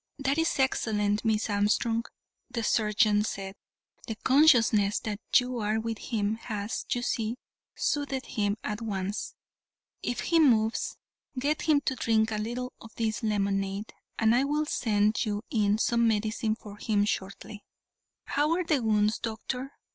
"That is excellent, Miss Armstrong," the surgeon said; "the consciousness that you are with him has, you see, soothed him at once. If he moves, get him to drink a little of this lemonade, and I will send you in some medicine for him shortly." "How are the wounds, doctor?"